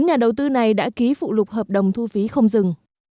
bốn nhà đầu tư này đã ký phụ lục hợp đồng thu phí không dừng